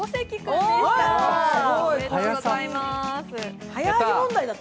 おめでとうございます。